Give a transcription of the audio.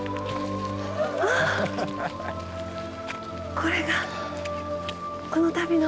これがこの旅の。